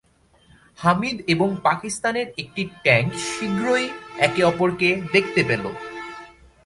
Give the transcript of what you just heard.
হামিদ এবং পাকিস্তানের একটি ট্যাঙ্ক শীঘ্রই একে অপরকে দেখতে পেল।